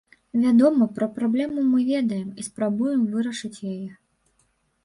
Вядома, пра праблему мы ведаем і спрабуем вырашыць яе.